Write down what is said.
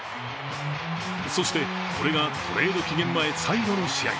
そして、これがトレード期限前最後の試合。